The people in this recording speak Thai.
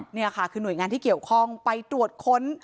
นี่ค่ะคือหน่วยงานที่เกี่ยวข้องไปตรวจค้น